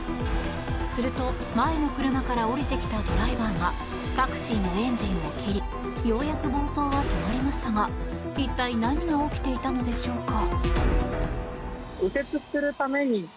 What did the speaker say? すると、前の車から降りてきたドライバーがタクシーのエンジンを切りようやく暴走は止まりましたが一体、何が起きていたのでしょうか。